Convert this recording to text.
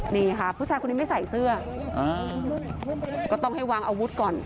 นี่ค่ะผู้ชายคนนี้ไม่ใส่เสื้อก็ต้องให้วางอาวุธก่อน